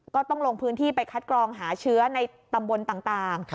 ก็ต้องลงพื้นที่ไปคัดกรองหาเชื้อในตำบลต่าง